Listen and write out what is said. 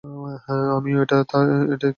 আমিও এটি তার ছবি।